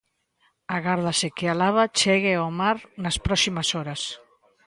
Agárdase que a lava chegue ao mar nas próximas horas.